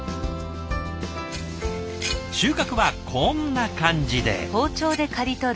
収穫はこんな感じで。